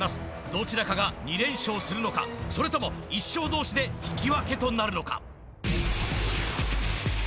どちらかが２連勝するのかそれとも１勝同士で引き分けとなるのか？